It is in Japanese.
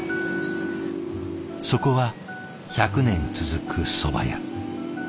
そこは１００年続くそば屋。